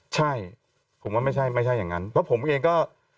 ใช่ผมว่าไม่ใช่ไม่ใช่อย่างนั้นเพราะผมเองก็